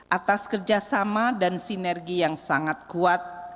atas kerjasama dan sinergi yang sangat kuat